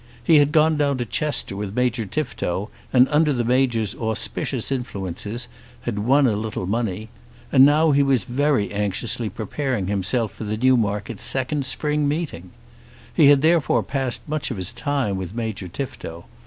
He had gone down to Chester with Major Tifto, and under the Major's auspicious influences had won a little money; and now he was very anxiously preparing himself for the Newmarket Second Spring Meeting. He had therefore passed much of his time with Major Tifto.